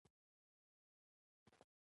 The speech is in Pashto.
هارون په کرندي سره ګازر وباسي.